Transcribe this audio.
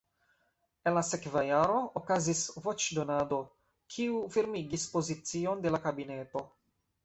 En la sekva jaro okazis voĉdonado, kiu firmigis pozicion de la kabineto.